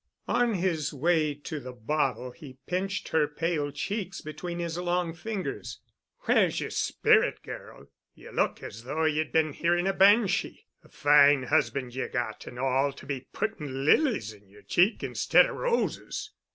On his way to the bottle he pinched her pale cheeks between his long fingers. "Where's yer spirit, girl? Ye look as though ye'd been hearing a banshee. A fine husband ye've got, and all, to be putting lilies in yer cheeks instead of roses!"